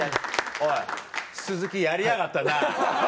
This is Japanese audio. おい鈴木やりやがったな。